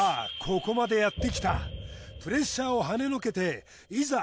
ここまでやってきたプレッシャーをはねのけていざ